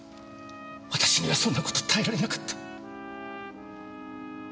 私にはそんな事耐えられなかった。